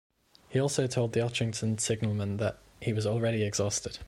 He also told the Otterington signalman that he was already exhausted.